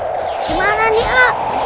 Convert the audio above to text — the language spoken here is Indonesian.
bagaimana ini pak